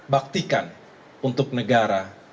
baktikan untuk negara